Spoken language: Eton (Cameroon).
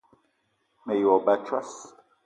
Me yi wa ba a tsoss!